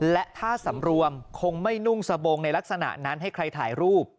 และถ้าสำรวมคงไม่นุ่งสบงในลักษณะนั้นให้ใครถ่ายรูป